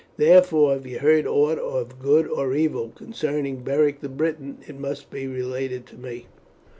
"Therefore, if you heard aught of good or evil concerning Beric the Briton, it must relate to me."